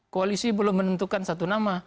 koalisi belum menentukan satu nama